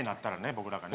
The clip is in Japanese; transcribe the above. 僕らがね